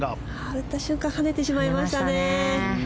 打った瞬間跳ねてしまいましたね。